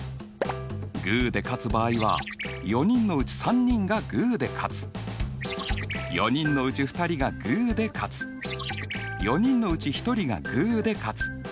グーで勝つ場合は４人のうち３人がグーで勝つ４人のうち２人がグーで勝つ４人のうち１人がグーで勝つ